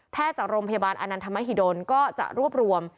จากโรงพยาบาลอนันทมหิดลก็จะรวบรวม